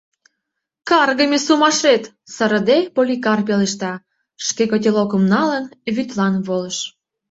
— Каргыме сумашет, — сырыде, Поликар пелешта, шке, котелокым налын, вӱдлан волыш.